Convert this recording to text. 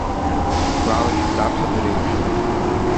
Игәалашәеит раԥхьатәи реиқәшәара.